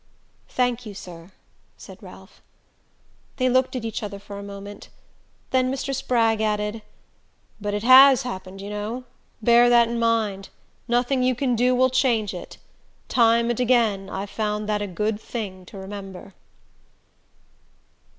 "Thank you, sir," said Ralph. They looked at each other for a moment; then Mr. Spragg added: "But it HAS happened, you know. Bear that in mind. Nothing you can do will change it. Time and again, I've found that a good thing to remember."